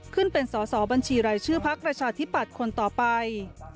ขึ้นเป็นสอบบัญชีรายชื่อพรรคราชธิปัตย์คนต่อไป